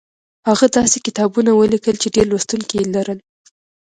هغه داسې کتابونه ولیکل چې ډېر لوستونکي یې لرل